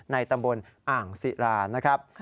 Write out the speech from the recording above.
ในตำบลอ่างศิรานะครับ